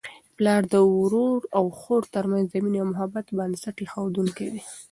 پلار د ورور او خور ترمنځ د مینې او محبت بنسټ ایښودونکی دی.